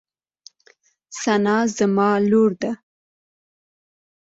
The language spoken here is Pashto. ثنا زما لور ده.